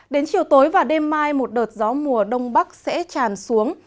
đến chiều tối và đêm mai một đợt gió mùa đông bắc sẽ tràn xuống